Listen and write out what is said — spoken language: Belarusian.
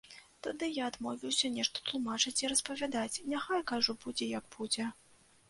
Тады я адмовіўся нешта тлумачыць і распавядаць, няхай, кажу будзе як будзе.